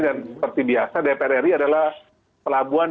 dan seperti biasa dpr ri adalah pelabuhan